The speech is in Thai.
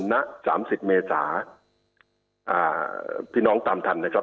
ณ๓๐เมษาพี่น้องตามทันนะครับ